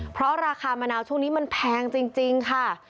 เพราะราคามะนาวช่วงนี้มันแพงจริงค่ะ